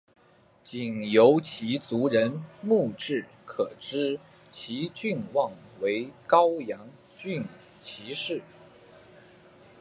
仅由其族人墓志可知其郡望为高阳郡齐氏。